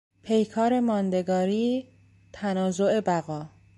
پیکار ماندگاری، تنازع بقا